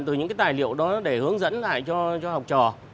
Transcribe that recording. từ những cái tài liệu đó để hướng dẫn lại cho học trò